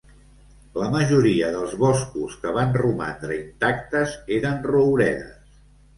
La majoria dels boscos que van romandre intactes eren rouredes.